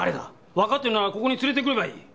わかってるならここに連れてくればいい。